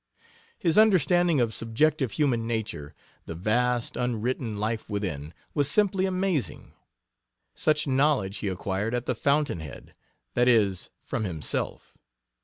His understanding of subjective human nature the vast, unwritten life within was simply amazing. Such knowledge he acquired at the fountainhead that is, from himself.